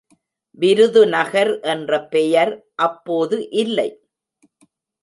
விருதுநகர் என்ற பெயர் அப்போது இல்லை.